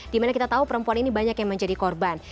dimana kita tahu perempuan ini banyak yang menjadi korban